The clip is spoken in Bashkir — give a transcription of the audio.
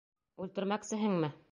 Үлтермәксеһеңме?